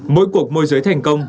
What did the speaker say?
mỗi cuộc mua dưới thành công